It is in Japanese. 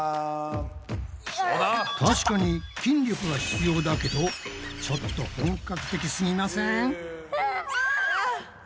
確かに筋力は必要だけどちょっと本格的すぎません？